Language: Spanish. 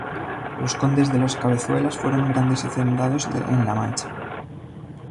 Los condes de las Cabezuelas fueron grandes hacendados en La Mancha.